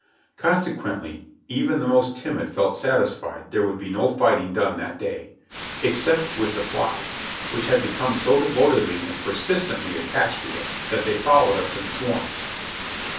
Consequently, even the most timid felt satis fied there would be no fighting done that day — except with the flies, which had become so devotedly and persistently attached to us that they followed us in swarms.